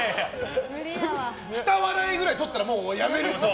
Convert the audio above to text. ２笑いくらいとったらもうやめる。